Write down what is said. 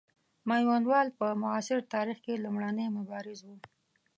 میوندوال په معاصر تاریخ کې لومړنی مبارز وو.